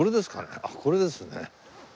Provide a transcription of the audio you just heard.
あっこれですね。